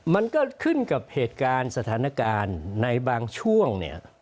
มันก็ขึ้นกับเหตุการณ์สถานการณ์ในบางช่วงเนี่ย